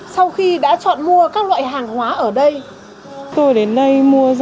sau khi đã chọn mua các loại hàng hóa ở đây